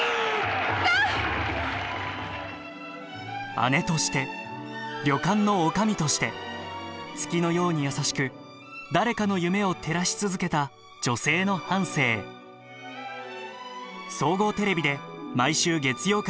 姉として旅館の女将として月のように優しく誰かの夢を照らし続けた女性の半生連続テレビ小説「純ちゃんの応援歌」。